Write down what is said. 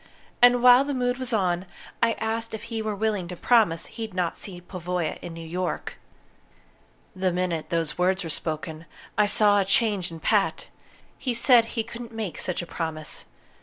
And while the mood was on, I asked if he were willing to promise he'd not see Pavoya in New York. "The minute those words were spoken, I saw a change in Pat. He said he couldn't make such a promise.